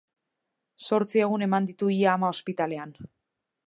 Zortzi egun eman ditu ia ama ospitalean.